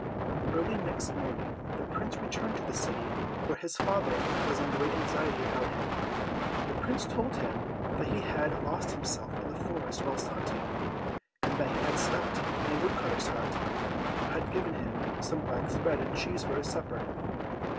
Early next morning the Prince returned to the city, where his father was in great anxiety about him. The Prince told him that he had lost himself in the forest whilst hunting, and that he had slept in a woodcutter's hut, who had given him some black bread and cheese for his supper.